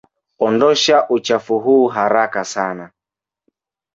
Ondosha uchafu huu haraka sana.